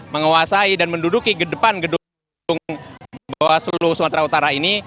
menguasai dan menduduki depan gedung bawaslu sumatera utara ini